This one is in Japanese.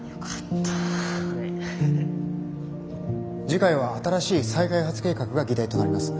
次回は新しい再開発計画が議題となります。